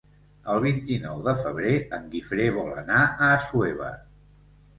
El vint-i-nou de febrer en Guifré vol anar a Assuévar.